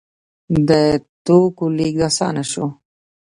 د توکو لیږد اسانه شو.